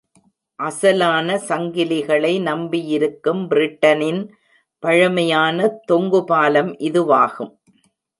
அசலான சங்கிலிகளை நம்பியிருக்கும் பிரிட்டனின் பழமையான தொங்கு பாலம் இதுவாகும்.